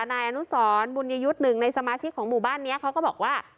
นายอนุสรบุญยุทธ์หนึ่งในสมาชิกของหมู่บ้านนี้เขาก็บอกว่า